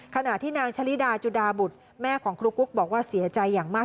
ขณะที่นางชะลิดาจุดาบุตรแม่ของครูกุ๊กบอกว่าเสียใจอย่างมาก